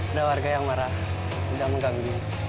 ada warga yang marah udah mengganggu